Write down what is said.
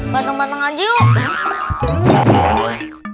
banteng banteng aja yuk